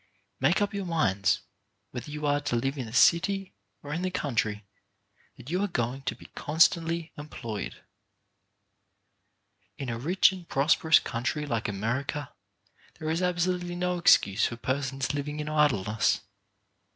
Make up your minds, whether you are to live in the city or in the country, that you are going to be constantly employed. 30 CHARACTER BUILDING In a rich and prosperous country like America there is absolutely no excuse for persons living in idleness.